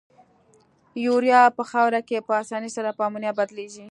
یوریا په خاوره کې په آساني سره په امونیا بدلیږي.